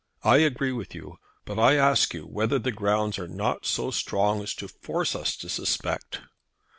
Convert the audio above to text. I agree with you. But I ask you whether the grounds are not so strong as to force us to suspect.